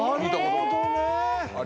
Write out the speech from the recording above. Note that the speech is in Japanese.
なるほどね！